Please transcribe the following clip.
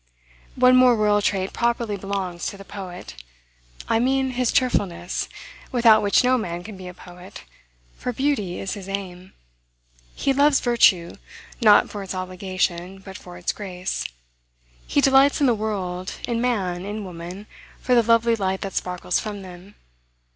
One more royal trait properly belongs to the poet. I mean his cheerfulness, without which no man can be a poet, for beauty is his aim. He loves virtue, not for its obligation, but for its grace: he delights in the world, in man, in woman, for the lovely light that sparkles from them.